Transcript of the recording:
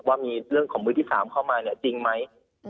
ว่ามีเรื่องของมือที่๓เข้ามาจริงไหม